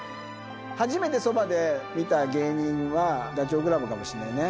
初めてそばで見た芸人は、ダチョウ倶楽部かもしれないね。